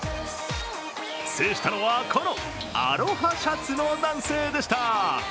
制したのは、このアロハシャツの男性でした。